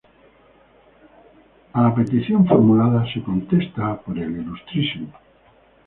A la petición formulada, se contesta por el Ilmo.